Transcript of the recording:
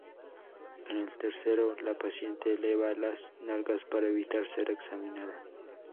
En el tercero, la paciente eleva las nalgas para evitar ser examinada.